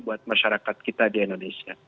buat masyarakat kita di indonesia